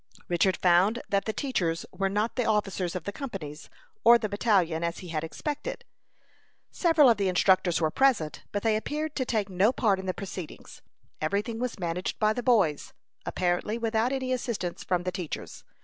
Richard found that the teachers were not the officers of the companies, or the battalion, as he had expected. Several of the instructors were present, but they appeared to take no part in the proceedings. Every thing was managed by the boys, apparently without any assistance from the teachers.